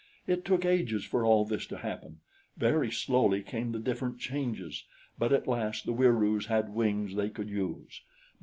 "It took ages for all this to happen very slowly came the different changes; but at last the Wieroos had wings they could use.